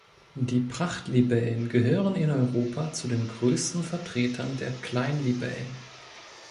Die Prachtlibellen gehören in Europa zu den größten Vertretern der Kleinlibellen.